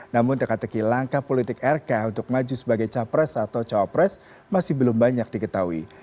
namun teka teki langkah politik rk untuk maju sebagai capres atau cawapres masih belum banyak diketahui